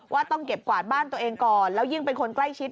ว่าต้องเก็บกวาดบ้านตัวเองก่อนแล้วยิ่งเป็นคนใกล้ชิด